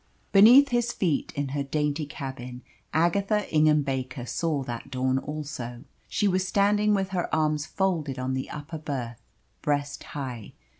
Beneath his feet, in her dainty cabin, Agatha Ingham Baker saw that dawn also. She was standing with her arms folded on the upper berth breast high.